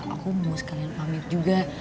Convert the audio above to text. aku mau sekalian pamit juga